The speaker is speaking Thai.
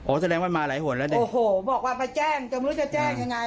โอ้แสดงว่ามันมาหลายห่วงแล้วดิโอ้โหบอกว่าไปแจ้งจำรู้จะแจ้งยังไง